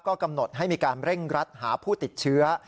กำหนดให้มีการเร่งรัดหาผู้ติดเชื้อ